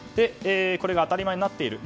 これが当たり前になっていると。